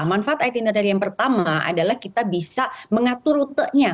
manfaat itinerary yang pertama adalah kita bisa mengatur rutenya